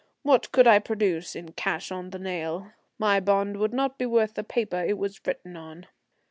what could I produce in cash on the nail? My bond would not be worth the paper it was written on.